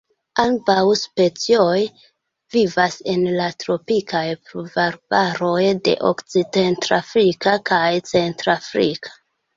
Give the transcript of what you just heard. Ambaŭ specioj vivas en la tropikaj pluvarbaroj de Okcidentafriko kaj Centra Afriko.